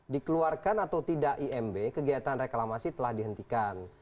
dikeluarkan atau tidak imb kegiatan reklamasi telah dihentikan